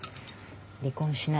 離婚しない。